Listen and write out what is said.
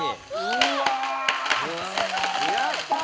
やったー！